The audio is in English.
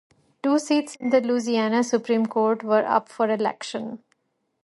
Two seats in the Louisiana Supreme Court were up for election.